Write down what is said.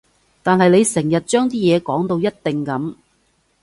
但係你成日將啲嘢講到一定噉